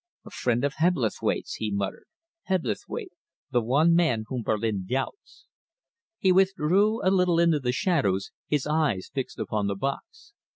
"A friend of Hebblethwaite's!" he muttered. "Hebblethwaite the one man whom Berlin doubts!" He withdrew a little into the shadows, his eyes fixed upon the box.